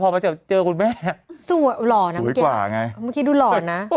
พอมันจะเจอคุณแม่สวยกว่าไงเมื่อกี้ดูหลอนนะ